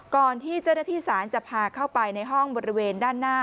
ก่อนที่เจ้าหน้าที่ศาลจะพาเข้าไปในห้องบริเวณด้านหน้า